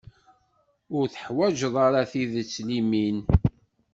Ur teḥwaǧ ara tidet limin.